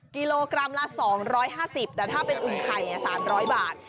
กิโลกรัมละ๒๕๐แต่ถ้าเป็นอึ่งไข่๓๐๐บาท